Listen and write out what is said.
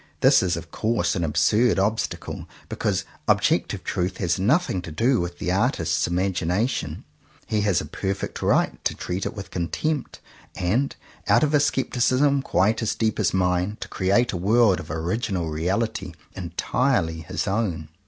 This is of course an absurd obstacle, because ob jective truth has nothing to do with the artist's imagination. He has a perfect right to treat it with contempt; and, out of a scepticism quite as deep as mine, to create 128 JOHN COWPER POWYS a world of original reality entirely his own.